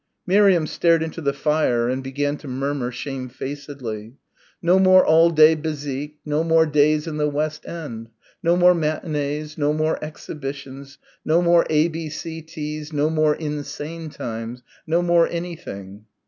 Miriam stared into the fire and began to murmur shamefacedly. "No more all day bézique.... No more days in the West End.... No more matinées ... no more exhibitions ... no more A.B.C. teas ... no more insane times ... no more anything."